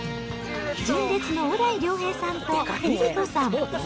純烈の小田井涼平さんとＬｉＬｉＣｏさん。